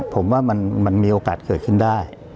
ผมว่ามันมีโอกาสเกิดขึ้นได้